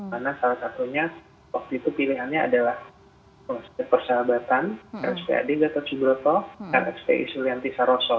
karena salah satunya covid itu pilihannya adalah persahabatan